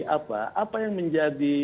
apa apa yang menjadi